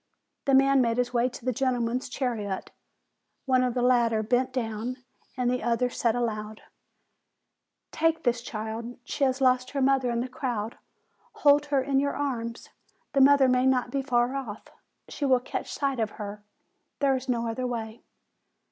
The man made his way to the gentlemen's chariot; one of the latter bent down, and the other said aloud: "Take this child ; she has lost her mother in the crowd ; hold her in your arms ; the mother may not be far off, and she will catch sight of her: there is no other way."